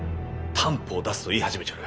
担保を出せ」と言い始めちょる。